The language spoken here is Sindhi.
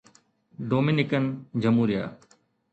ڊومينيڪن جمهوريه